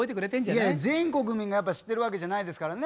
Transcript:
いやいや全国民がやっぱ知ってるわけじゃないですからね。